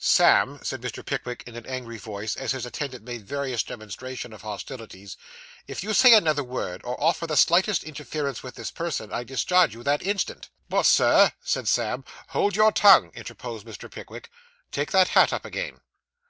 'Sam,' said Mr. Pickwick, in an angry voice, as his attendant made various demonstrations of hostilities, 'if you say another word, or offer the slightest interference with this person, I discharge you that instant.' 'But, Sir!' said Sam. 'Hold your tongue,' interposed Mr. Pickwick. 'Take that hat up again.